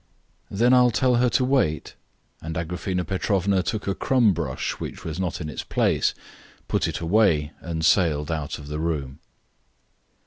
"Then I'll tell her to wait?" and Agraphena Petrovna took a crumb brush which was not in its place, put it away, and sailed out of the room.